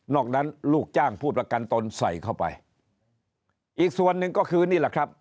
อกนั้นลูกจ้างผู้ประกันตนใส่เข้าไปอีกส่วนหนึ่งก็คือนี่แหละครับ